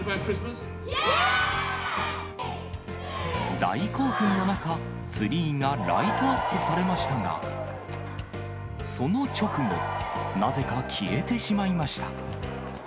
大興奮の中、ツリーがライトアップされましたが、その直後、なぜか消えてしまいました。